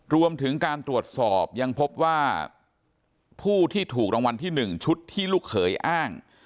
รวมถึงการตรวจสอบยังพบว่าผู้ที่ถูกรางวัลที่๑ชุดที่ลูกเขยอ้าง